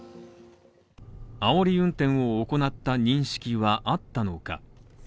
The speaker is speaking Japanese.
あおり運転を行った認識はあったのか。